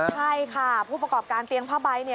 ใช่ค่ะผู้ประกอบการเตียงผ้าใบ